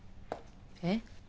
えっ？